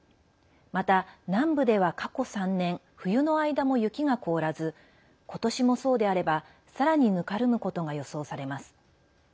また、南部では過去３年冬の間も雪が凍らず今年もそうであれば、さらにぬかるむことが予想されます。